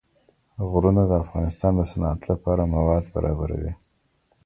غرونه د افغانستان د صنعت لپاره مواد برابروي.